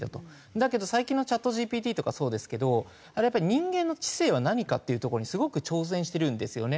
だけど最近のＣｈａｔＧＰＴとかそうですけどあれはやっぱり人間の知性は何かっていうところにすごく挑戦してるんですよね。